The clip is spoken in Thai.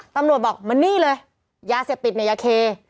ตำรวจบอกมานี่เลยยาเสียบปิดไหมยาเค